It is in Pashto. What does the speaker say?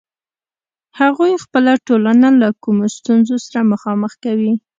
هغوی خپله ټولنه له کومو ستونزو سره مخامخ کوي.